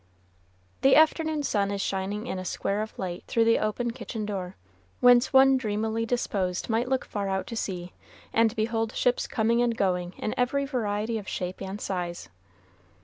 The afternoon sun is shining in a square of light through the open kitchen door, whence one dreamily disposed might look far out to sea, and behold ships coming and going in every variety of shape and size.